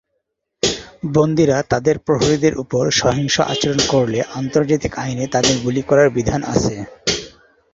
বন্দিরা তাদের প্রহরীদের ওপর সহিংস আচরণ করলে আন্তর্জাতিক আইনে তাদের গুলি করার বিধান আছে।